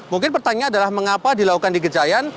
mungkin pertanyaannya adalah mengapa dilakukan di kejadian